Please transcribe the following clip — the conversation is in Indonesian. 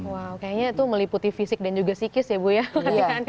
wow kayaknya itu meliputi fisik dan juga psikis ya bu yanti